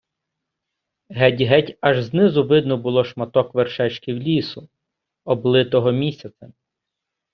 Геть-геть аж знизу видно було шматок вершечків лісу, облитого місяцем.